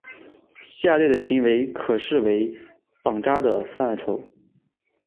下列的行为可视为绑扎的范畴。